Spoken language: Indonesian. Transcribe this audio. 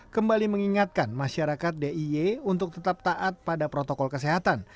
kembali mengingatkan masyarakat d i y untuk tetap taat pada protokol kesehatan